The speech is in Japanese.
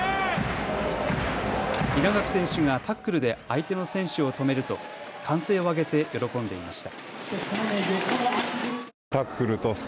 稲垣選手がタックルで相手の選手を止めると歓声を上げて喜んでいました。